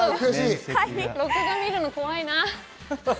録画見るの怖いな。